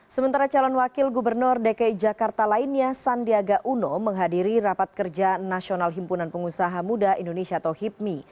sementara calon wakil gubernur dki jakarta lainnya sandiaga uno menghadiri rapat kerja nasional himpunan pengusaha muda indonesia atau hipmi